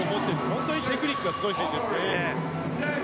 本当にテクニックがすごい選手ですね。